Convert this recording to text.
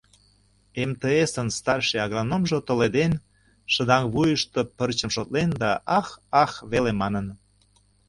МТС-ын старший агрономжо толеден, шыдаҥ вуйышто пырчым шотлен да «ах», «ах» веле манын.